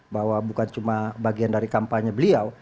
bahwa bukan cuma bagian dari kampanye beliau